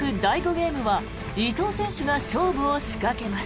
ゲームは伊藤選手が勝負を仕掛けます。